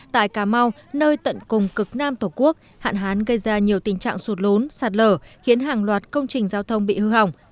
tại cà mau nơi tận cùng cực nam tổ quốc hạn hán gây ra nhiều tình trạng sụt lốn sạt lở khiến hàng loạt công trình giao thông bị hư hỏng